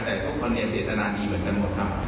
แต่ทุกคนเนี่ยเจตนาดีเหมือนกันหมดครับ